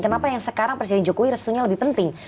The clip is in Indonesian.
kenapa yang sekarang presiden jokowi restunya lebih penting